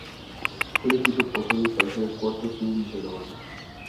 Fue elegido por Sony para ser el cuarto single de la banda.